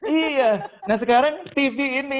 iya nah sekarang tv ini